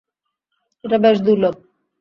এটা বেশ দুর্লভ।